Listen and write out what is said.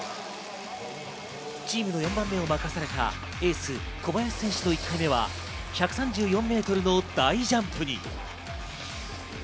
チームの４番目を任されたエース・小林選手の１回目は１３４メートルの大ジャンプに。